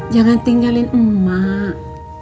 jangan tinggalin emak